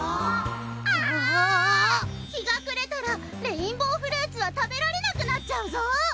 日が暮れたらレインボーフルーツは食べられなくなっちゃうぞ！